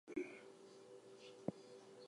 It means buffalo bridge.